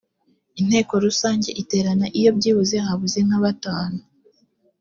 inteko rusange iterana iyo byibuze habuze nka batanu